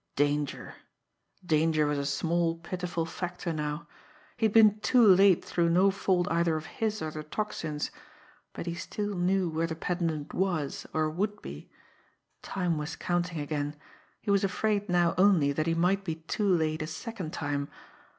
Danger! Danger was a small, pitiful factor now! He had been too late through no fault either of his or the Tocsin's but he still knew where the pendant was, or would be! Time was counting again; he was afraid now only that he might be too late a second time.